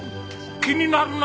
気になるな。